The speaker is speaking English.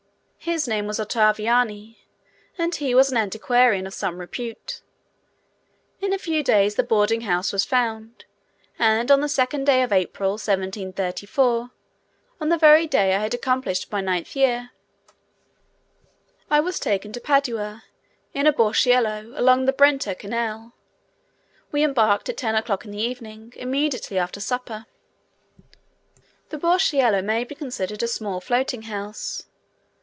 His name was Ottaviani, and he was also an antiquarian of some repute. In a few days the boarding house was found, and on the 2nd day of April, 1734, on the very day I had accomplished my ninth year, I was taken to Padua in a 'burchiello', along the Brenta Canal. We embarked at ten o'clock in the evening, immediately after supper. The 'burchiello' may be considered a small floating house.